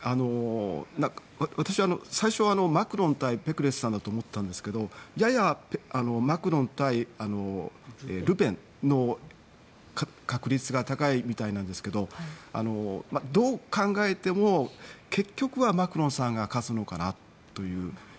私は、最初はマクロン対ぺクレスさんだと思っていたんですがややマクロン対ルペンの確率が高いみたいなんですけどどう考えても結局はマクロンさんが勝つのかなと。